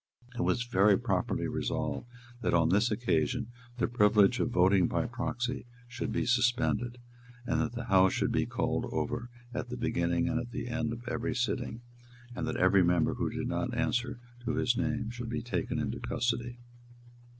It was very properly resolved that, on this occasion, the privilege of voting by proxy should be suspended, that the House should be called over at the beginning and at the end of every sitting, and that every member who did not answer to his name should be taken into custody.